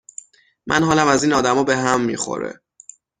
من حالم از این آدما به هم می خوره